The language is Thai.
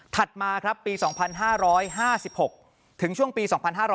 มาครับปี๒๕๕๖ถึงช่วงปี๒๕๕๙